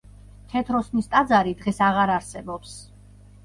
თეთროსნის ტაძარი დღეს აღარ არსებობს.